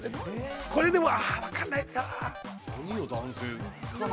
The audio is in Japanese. これでも、分からないかな。